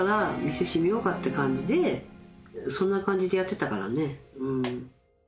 店閉めようかって感じでそんな感じでやってたからね。